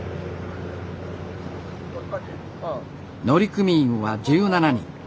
乗組員は１７人。